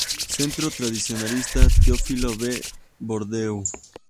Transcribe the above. Centro tradicionalista: "Teófilo V. Bordeu".